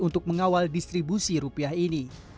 untuk mengawal distribusi rupiah ini